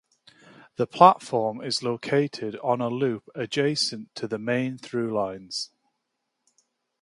The platform is located on a loop adjacent to the main through lines.